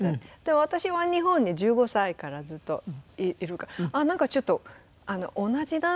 私は日本に１５歳からずっといるからなんかちょっと同じなんだ